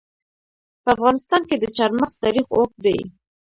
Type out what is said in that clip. په افغانستان کې د چار مغز تاریخ اوږد دی.